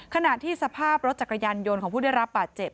ขณะที่สภาพรถจักรยานยนต์ของผู้ได้รับบาดเจ็บ